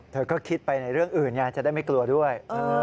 เธอก็คิดไปในเรื่องอื่นไงจะได้ไม่กลัวด้วย